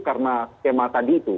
karena skema tadi itu